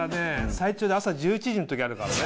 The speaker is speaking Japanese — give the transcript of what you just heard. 最長で朝１１時の時あるからね。